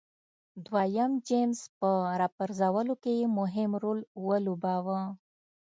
دویم جېمز په راپرځولو کې یې مهم رول ولوباوه.